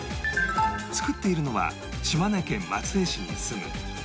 作っているのは島根県松江市に住む